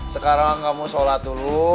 sekarang kamu sholat dulu